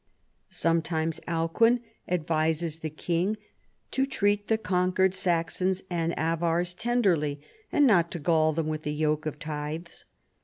Sometimes Alcuin advises the king to treat the conquered Saxons and Avars tenderly, and not to gall them with the yoke of tithes.